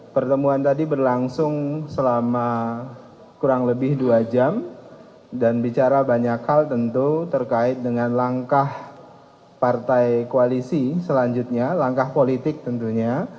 pertemuan tadi berlangsung selama kurang lebih dua jam dan bicara banyak hal tentu terkait dengan langkah partai koalisi selanjutnya langkah politik tentunya